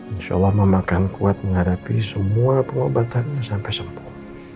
insya allah memakan kuat menghadapi semua pengobatannya sampai sembuh